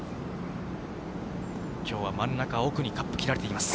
きょうは真ん中奥にカップ切られています。